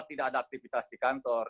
tidak ada aktivitas di kantor